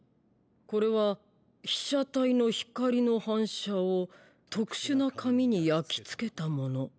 これは被写体の光の反射を特殊な紙に焼き付けたもの。